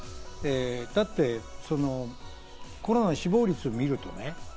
だってコロナ死亡率を見るとね。